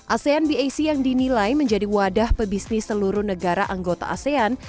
asean bac yang dinilai menjadi wadah pebisnis seluruh negara anggota asean